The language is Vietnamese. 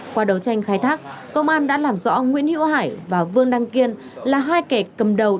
qua đấu tranh khai thác công an đã làm rõ nguyễn hữu hải và vương đăng kiên là hai kẻ cầm đầu